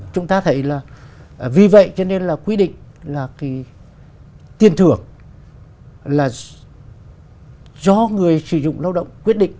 chúng ta thấy là vì vậy cho nên là quy định là cái tiền thưởng là do người sử dụng lao động quyết định